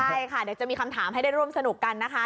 ใช่ค่ะเดี๋ยวจะมีคำถามให้ได้ร่วมสนุกกันนะคะ